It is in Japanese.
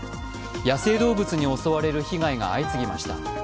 野生動物に襲われる被害が相次ぎました。